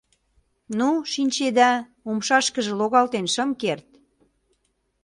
Ну, шинчеда, умшашкыже логалтен шым керт.